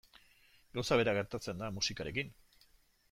Gauza bera gertatzen da musikarekin.